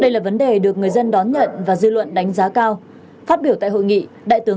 đây là vấn đề được người dân đón nhận và dư luận đánh giá cao